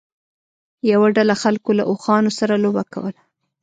یوه ډله خلکو له اوښانو سره لوبه کوله.